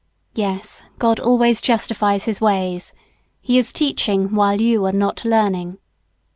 Yes, God always justifies His ways. He is teaching while you are not learning.